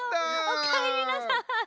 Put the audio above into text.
おかえりなさい。